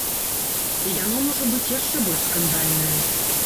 І яно можа быць яшчэ больш скандальнае.